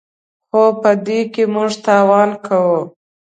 خو په دې کې موږ تاوان کوو.